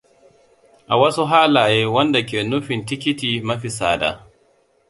A wasu halaye wanda ke nufin tikiti mafi tsada.